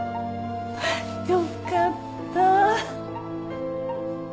よかった。